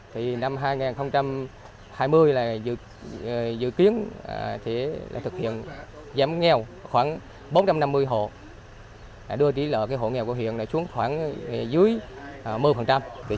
thì năm hai nghìn hai mươi là dự kiến thực hiện giảm nghèo khoảng bốn trăm năm mươi hộ đưa tí lợi hộ nghèo của huyện xuống khoảng dưới một mươi